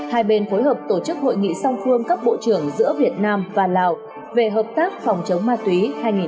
hai bên phối hợp tổ chức hội nghị song phương cấp bộ trưởng giữa việt nam và lào về hợp tác phòng chống ma túy hai nghìn một mươi tám